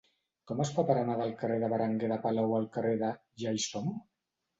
Com es fa per anar del carrer de Berenguer de Palou al carrer de Ja-hi-som?